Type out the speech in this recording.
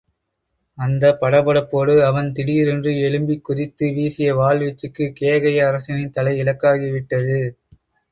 அந்த படபடப்போடு அவன் திடீரென்று எழும்பிக் குதித்து வீசிய வாள் வீச்சுக்குக் கேகய அரசனின் தலை இலக்காகி விட்டது.